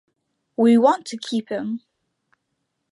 We want to keep him.